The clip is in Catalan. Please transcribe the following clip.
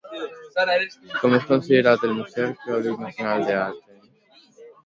Com és considerat el Museu Arqueològic Nacional d'Atenes?